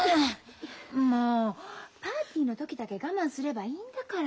もうパーティーの時だけ我慢すればいいんだから。